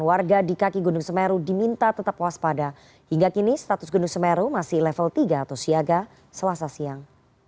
warga di kaki gunung semeru diminta tetap waspada hingga kini status gunung semeru masih level tiga atau siaga selasa siang